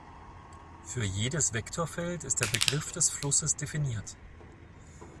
Für jedes Vektorfeld ist der Begriff des Flusses definiert.